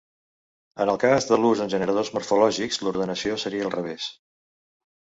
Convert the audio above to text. En el cas de l'ús en generadors morfològics l'ordenació seria al revés.